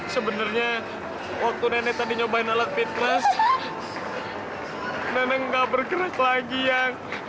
sebenarnya waktu nenek tadi nyobain alat fitras nenek nggak bergerak lagi sayang